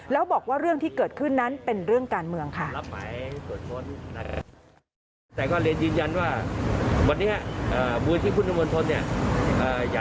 แล้วบอกว่าเรื่องที่เกิดขึ้นนั้นเป็นเรื่องการเมืองค่ะ